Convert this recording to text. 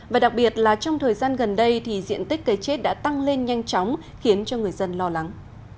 và đặc biệt là trong thời gian gần đây thì diện tích cây chết đã tăng lên nhanh chóng khiến cho người dân lo lắng